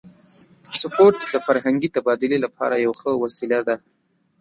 سپورت د فرهنګي تبادلې لپاره یوه ښه وسیله ده.